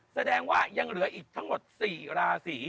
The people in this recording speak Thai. แสดงว่ายังเหลืออีกทั้งหมด๔ราศี